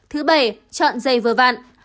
thứ bảy chọn giày vừa vạn